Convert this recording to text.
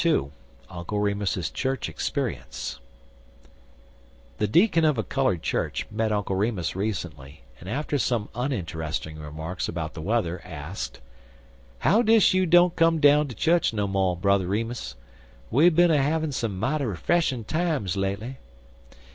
II. UNCLE REMUS'S CHURCH EXPERIENCE THE deacon of a colored church met Uncle Remus recently, and, after some uninteresting remarks about the weather, asked: "How dis you don't come down ter chu'ch no mo', Brer Remus? We er bin er havin' some mighty 'freshen' times lately."